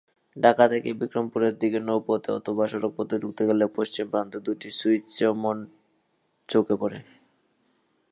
ঢাকা থেকে বিক্রমপুরের দিকে নৌপথে অথবা সড়কপথে ঢুকতে গেলে পশ্চিম প্রান্তে দুটি সুউচ্চ মঠ চোখে পড়ে।